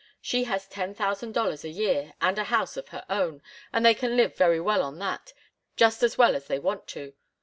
She has ten thousand dollars a year, and a house of her own, and they can live very well on that just as well as they want to.